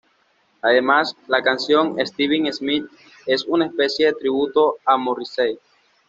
Además la canción "Steven Smith" es una especie de tributo a Morrissey.